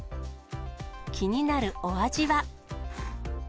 気になるお味は。